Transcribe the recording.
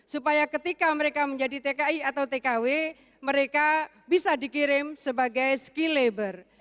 supaya ketika mereka menjadi tki atau tkw mereka bisa dikirim sebagai skill labor